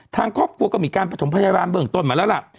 ทางครอบครัวก็มีการประถมพยาบาลเบื้องต้นมาแล้วล่ะ